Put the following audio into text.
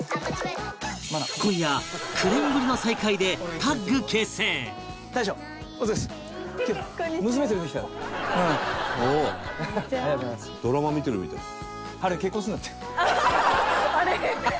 今夜９年ぶりの再会でタッグ結成ハハハハ！